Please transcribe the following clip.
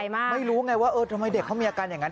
ไม่รู้ไงว่าเออทำไมเด็กเขามีอาการอย่างนั้น